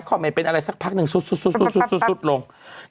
ก็ไม่เป็นอะไรสักพักหนึ่งซุดลง